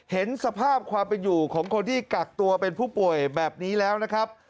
เห็นสภาพความเป็นอยู่ของคนที่กักตัวเป็นผู้ป่วยแบบนี้แล้วนะครับ